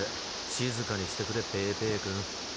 静かにしてくれペーペーくん。